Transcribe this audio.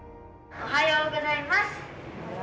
おはようございます。